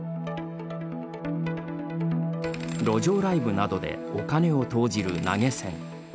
路上ライブなどでお金を投じる投げ銭。